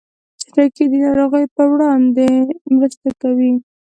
خټکی د ناروغیو پر وړاندې مرسته کوي.